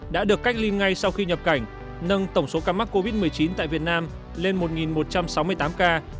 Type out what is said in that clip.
đã được cách ly ngay sau khi nhập cảnh nâng tổng số ca mắc covid một mươi chín tại việt nam lên một một trăm sáu mươi tám ca